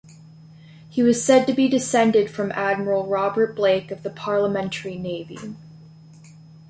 He was said to be descended from Admiral Robert Blake, of the Parliamentary navy.